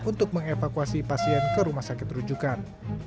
untuk mengevakuasi pasien ke rumah sakit rujukan